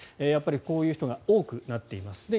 やっぱりこういう人が多くなっています。